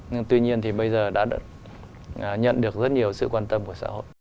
nhưng tuy nhiên thì bây giờ đã nhận được rất nhiều sự quan tâm của xã hội